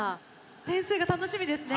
点数が楽しみですね。